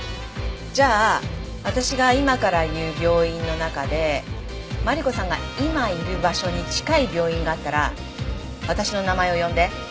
じゃあ私が今から言う病院の中でマリコさんが今いる場所に近い病院があったら私の名前を呼んで。